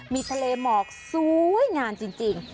มีทะเลหมอกสวยงามจริง